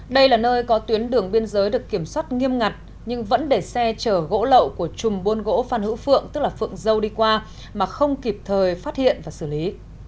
đây là nơi có tuyến đường biên giới được kiểm soát nghiêm ngặt nhưng vẫn để xe chở gỗ lậu của chùm bôn gỗ phan hữu phượng tức là phượng dâu đi qua mà không kịp thời phát hiện và xử lý